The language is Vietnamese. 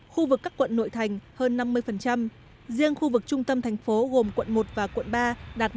khu vực các quận nội thành hơn năm mươi riêng khu vực trung tâm thành phố gồm quận một và quận ba đạt một mươi